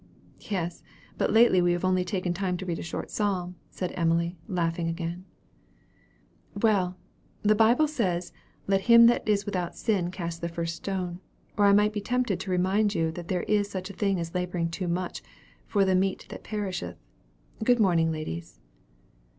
"Yes; but lately we have only taken time to read a short psalm," said Emily, again laughing. "Well, the Bible says, 'Let him that is without sin cast the first stone,' or I might be tempted to remind you that there is such a thing as laboring too much 'for the meat that perisheth.' Good morning, ladies."